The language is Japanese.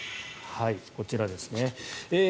こちらですね。